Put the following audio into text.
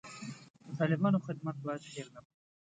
د طالبانو خدمت باید هیر نه کړو.